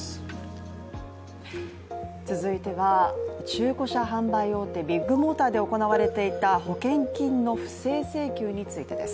続いては、中古車販売大手ビッグモーターで行われていた保険金の不正請求についてです。